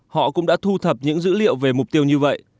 họ cũng đã thu thập những dữ liệu về mục tiêu như vậy